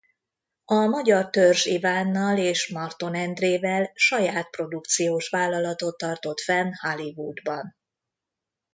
A magyar Törzs Ivánnal és Marton Endrével saját produkciós vállalatot tartott fenn Hollywoodban.